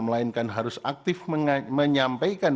melainkan harus aktif menyampaikan